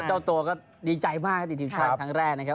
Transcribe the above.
เจ้าตัวก็ดีใจมากที่ติดทีมชาติครั้งแรกนะครับ